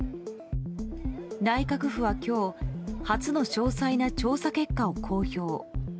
内閣府は今日初の詳細な調査結果を公表。